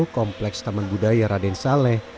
kompleks taman budaya raden saleh